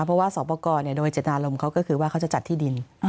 เพราะว่าสอบประกอบโดยเจตนารมณ์เขาก็คือว่าเขาจะจัดที่ดิน